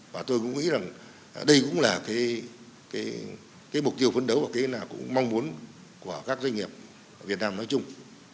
và tôi cũng nghĩ rằng đây cũng là mục tiêu phấn đấu và mong muốn của các doanh nghiệp việt nam nói chung